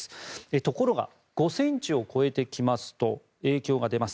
ところが５ｃｍを超えてきますと影響が出ます。